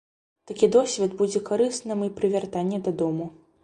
Такі досвед будзе карысным і пры вяртанні дадому.